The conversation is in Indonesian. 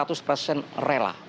kalau serta mohon sajalah